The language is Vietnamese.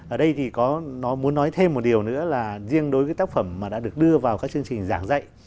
ở đây thì nó muốn nói thêm một điều nữa là riêng đối với tác phẩm mà đã được đưa vào các chương trình giảng dạy